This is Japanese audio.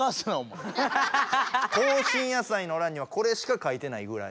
香辛野菜のらんにはこれしか書いてないぐらい。